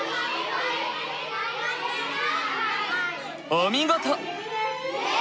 お見事！